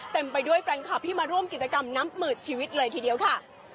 เต็มไปด้วยแฟนคลับที่มาร่วมกิจกรรมนับหมื่นชีวิตเลยทีเดียวค่ะ